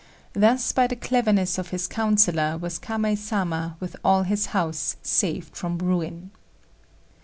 Thus by the cleverness of his councillor was Kamei Sama, with all his house, saved from ruin.